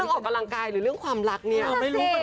มันเรื่องออกกำลังกายหรือเรื่องความรักเนี่ยไม่รู้